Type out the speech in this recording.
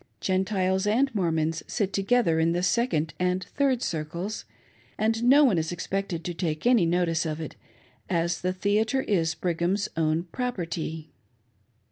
Gentiles and Mormons sit together in the second aod third circles, and no one is expected to take any notice o| it, as the theatre is Brigham's own property.